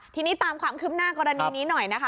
ทีนี้ตามความคืบหน้ากรณีนี้หน่อยนะคะ